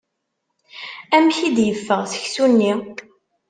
Amek i d-yeffeɣ seksu-nni?